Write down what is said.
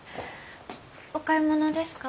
お買い物ですか？